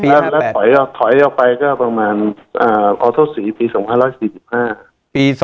แล้วถอยออกไปก็ประมาณณอัตโฆษีปี๒๕๔๕